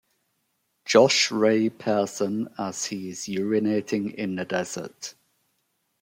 Josh Ray Person as he is urinating in the desert.